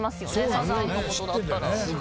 サザンのことだったら。